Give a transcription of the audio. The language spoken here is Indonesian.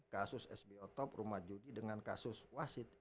kasus sbo top rumah judi dengan kasus wasit